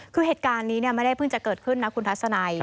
คือเหตุการณ์นี้ไม่ได้เพิ่งจะเกิดขึ้นนะคุณทัศนัย